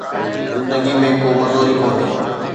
زندگيءَ ۾ ڪو مزو ئي ڪونهي